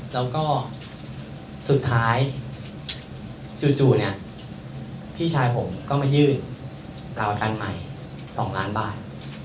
แล้วก็สุดท้ายจู่เนี่ยพี่ชายผมก็มายื่นประกันใหม่๒ล้านบาท